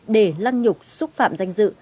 để lăn nhục xúc phạm danh dự